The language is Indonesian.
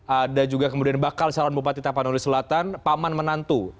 ada juga kemudian bakal calon bupati tapanuli selatan paman menantu